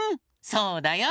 そうだよ。